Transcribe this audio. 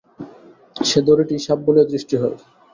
সেই দড়িটিই সাপ বলিয়া দৃষ্ট হয়।